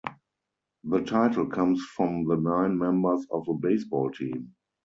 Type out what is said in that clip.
The title comes from the nine members of a baseball team.